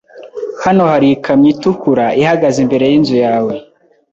Hano hari ikamyo itukura ihagaze imbere yinzu yawe.